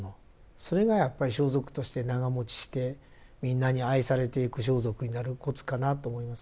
それがやっぱり装束として長もちしてみんなに愛されていく装束になるコツかなと思います。